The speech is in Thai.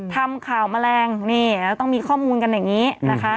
ทำข่าวแมลงนี่แล้วต้องมีข้อมูลกันอย่างนี้นะคะ